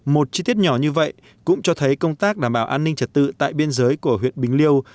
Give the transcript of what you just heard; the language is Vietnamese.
một chi tiết nhỏ như vậy cũng cho thấy công tác đảm bảo an ninh trật tự tại biên giới của huyện bình liêu